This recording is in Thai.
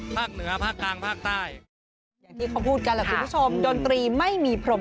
ภาคเหนือภาคกลางภาคใต้